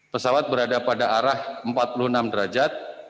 pesawat berada pada arah empat puluh enam derajat